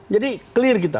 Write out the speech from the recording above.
jadi clear kita